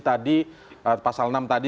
tadi pasal enam tadi